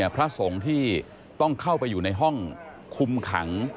พระสงฆ์ที่ต้องเข้าไปอยู่ในห้องคุมขัง